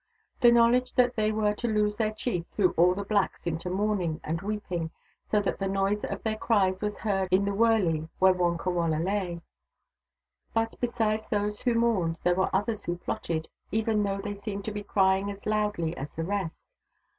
The knowledge that they were to lose their chief threw all the blacks into mourning and weeping, so that the noise of their cries was heard in the wurley where Wonkawala lay. But besides those who mourned, there were others who plotted, even though they seemed to be crying as loudly as the rest.